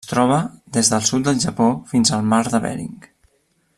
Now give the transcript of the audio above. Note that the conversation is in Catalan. Es troba des del sud del Japó fins al mar de Bering.